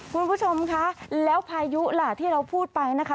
คุณผู้ชมคะแล้วพายุล่ะที่เราพูดไปนะคะ